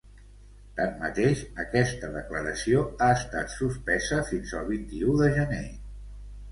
Tanmateix, aquesta declaració ha estat suspesa fins el vint-i-u gener.